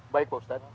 baik pak ustadz